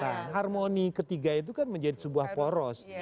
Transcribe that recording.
nah harmoni ketiga itu kan menjadi sebuah poros